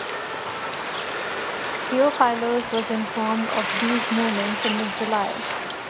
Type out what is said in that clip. Theophilos was informed of these movements in mid-July.